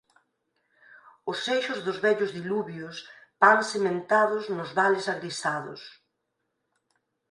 Os seixos dos vellos diluvios, Pans sementados nos vales agrisados.